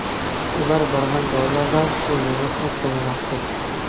ئۇلار بارغان جايلاردا شۇ يېزىقنى قوللىناتتى.